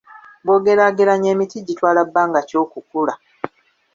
Bw'ogeraageranya emiti gitwala bbanga ki okukula?